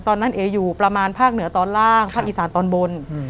เออยู่ประมาณภาคเหนือตอนล่างภาคอีสานตอนบน